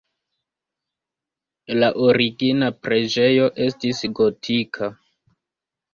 La origina preĝejo estis gotika.